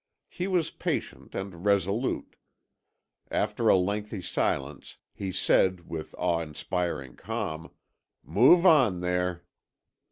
He was patient and resolute. After a lengthy silence, he said, with awe inspiring calm: "Move on, there!"